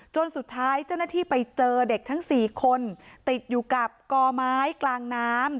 จนสุดท้ายเจ้าหน้าที่ไปเจอเด็กทั้ง๔คนติดอยู่กับกอไม้กลางน้ำ